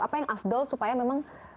apa yang afdol supaya memang